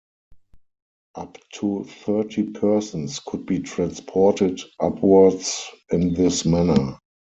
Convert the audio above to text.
Up to thirty persons could be transported upwards in this manner.